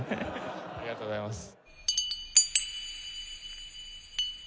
ありがとうございます。